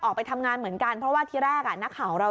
ออกไปทำงานเหมือนกันเพราะว่าที่แรกนักข่าวของเรา